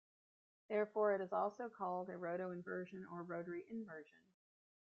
Therefore it is also called a rotoinversion or rotary inversion.